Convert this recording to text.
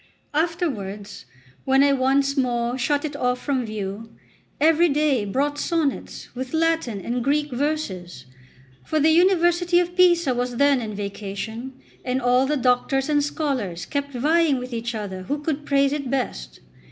Afterwards, when I once more shut it off from view, every day brought sonnets, with Latin and Greek verses; for the University of Pisa was then in vacation, and all the doctors and scholars kept vying with each other who could praise it best.